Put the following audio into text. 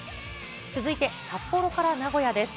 続いて札幌から名古屋です。